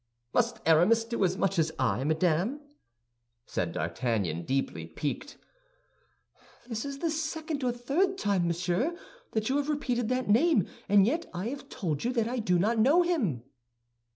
"Must Aramis do as much as I, madame?" said D'Artagnan, deeply piqued. "This is the second or third time, monsieur, that you have repeated that name, and yet I have told you that I do not know him."